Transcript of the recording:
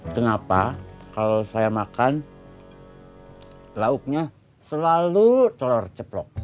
kenapa kalau saya makan lauknya selalu telur ceplok